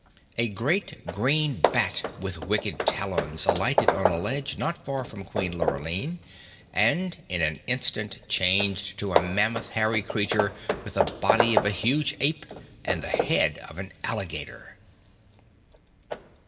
A great, green bat with wicked talons alighted on a ledge not far from Queen Lurline and in an instant changed to a mammoth, hairy creature with the body of a huge ape and the head of an alligator.